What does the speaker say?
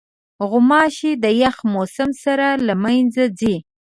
غوماشې د یخ موسم سره له منځه ځي.